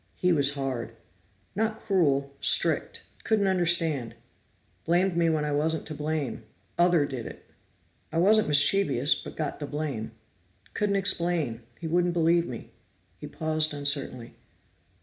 He was hard, not cruel strict. Couldn't understand. Blamed me when I wasn't to blame. Other did it. I wasn't mischievous, but got the blame. Couldn't explain, he wouldn't believe me." He paused uncertainly.